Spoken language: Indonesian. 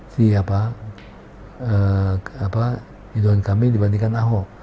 si ridwan khamia dibandingkan ahok